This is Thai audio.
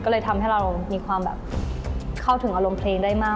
เวลาเจ้าเขานั้นเข้ามา